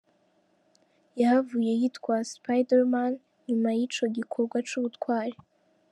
Yahavuye yitwa Spiderman inyuma y'ico gikorwa c'ubutwari.